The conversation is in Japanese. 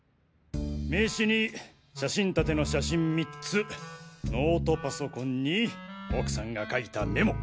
名刺に写真立ての写真３つノートパソコンに奥さんが書いたメモ。